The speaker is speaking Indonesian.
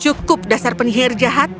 cukup dasar penyihir jahat